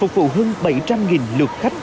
phục vụ hơn bảy trăm linh lượt khách